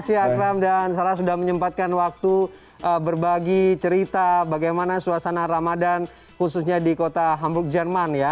terima kasih akram dan sarah sudah menyempatkan waktu berbagi cerita bagaimana suasana ramadan khususnya di kota hamburg jerman ya